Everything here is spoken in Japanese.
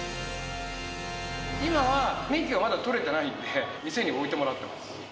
今は免許がまだ取れてないんで、店に置いてもらってます。